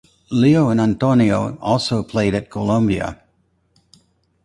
Leo and Antonio also played at Columbia.